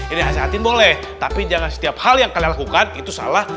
ini hasil atin boleh tapi jangan setiap hal yang kalian lakukan itu salah